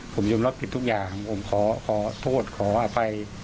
ผมยอมรับผิดทุกอย่างผมขอโทษขออภัย